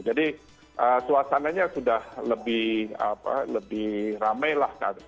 jadi suasananya sudah lebih ramai lah